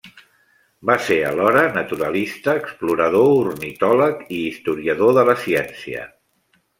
Va ser a l'hora naturalista, explorador, ornitòleg i historiador de la ciència.